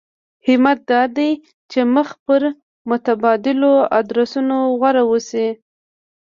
همت دا دی چې مخ پر متبادلو ادرسونو غور وشي.